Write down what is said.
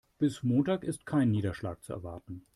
Bis Montag ist kein Niederschlag zu erwarten.